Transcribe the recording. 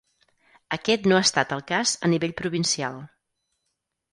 Aquest no ha estat el cas a nivell provincial.